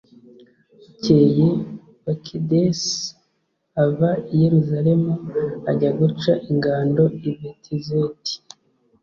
bukeye, bakidesi ava i yeruzalemu ajya guca ingando i betizeti